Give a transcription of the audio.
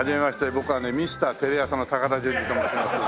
僕はねミスターテレ朝の高田純次と申します。